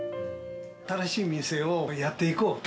新しいお店をやっていこうと。